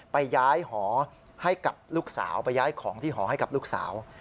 ไปย้ายของที่หอให้กับลูกสาว